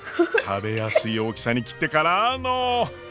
食べやすい大きさに切ってからの。